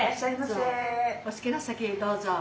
お好きな席へどうぞ。